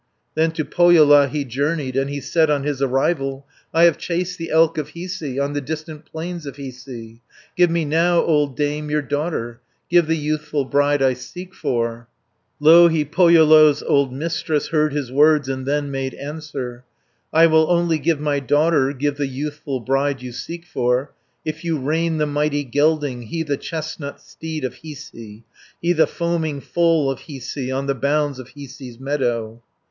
Then to Pohjola he journeyed, And he said on his arrival: "I have chased the elk of Hiisi On the distant plains of Hiisi. Give me now, old dame, your daughter, Give the youthful bride I seek for." 270 Louhi, Pohjola's old Mistress Heard his words, and then made answer: "I will only give my daughter, Give the youthful bride you seek for, If you rein the mighty gelding, He the chestnut steed of Hiisi, He the foaming foal of Hiisi, On the bounds of Hiisi's meadow."